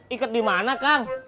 iket dimana kang